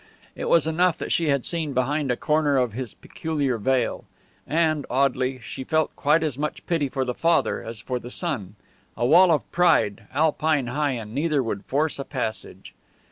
It was enough that she had seen behind a corner of this peculiar veil. And, oddly, she felt quite as much pity for the father as for the son. A wall of pride, Alpine high, and neither would force a passage!